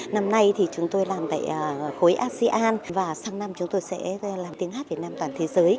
năm nay thì chúng tôi làm tại khối asean và sang năm chúng tôi sẽ làm tiếng hát việt nam toàn thế giới